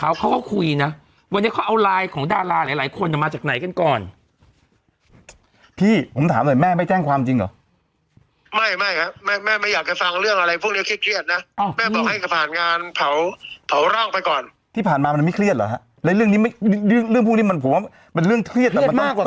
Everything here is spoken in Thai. เขาก็คุยน่ะวันนี้เขาเอาลายของดาราหลายหลายคนมาจากไหนกันก่อนพี่ผมถามหน่อยแม่ไม่แจ้งความจริงเหรอไม่ไม่ครับแม่แม่ไม่อยากจะฟังเรื่องอะไรพวกนี้เครียดเครียดน่ะอ๋อแม่บอกให้เขาผ่านงานเผาเผาร่องไปก่อนที่ผ่านมามันไม่เครียดเหรอฮะแล้วเรื่องนี้ไม่เรื่องพวกนี้มันผมว่ามันเรื่องเครียดเครียดมากกว่าเ